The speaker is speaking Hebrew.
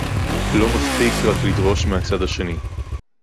לא מספיק רק לדרוש מהצד השני